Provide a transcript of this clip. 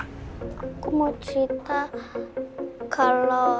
aku mau cerita kalau